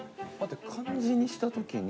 漢字にした時に。